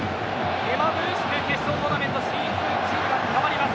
目まぐるしく決勝トーナメント進出チームが変わります。